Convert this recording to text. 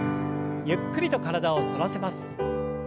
ゆっくりと体を反らせます。